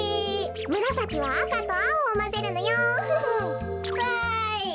むらさきはあかとあおをまぜるのよ。わい！